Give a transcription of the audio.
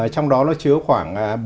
trong đó nó chứa khoảng